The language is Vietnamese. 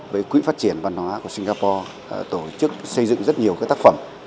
với quỹ phát triển văn hóa của singapore tổ chức xây dựng rất nhiều tác phẩm